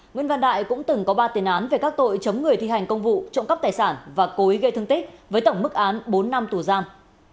nguyễn văn đại cũng từng có ba tiền án về các tội chấm người thi hành công vụ trộm cắp tài sản và cối gây thương tích với tổng mức án bốn năm tù gian